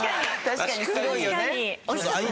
確かにすごいよね。